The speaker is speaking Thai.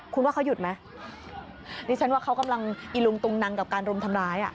คุณว่าเขาหยุดไหมดิฉันว่าเขากำลังอีลุงตุงนังกับการรุมทำร้ายอ่ะ